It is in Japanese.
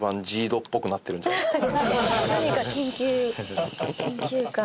何か研究研究感が。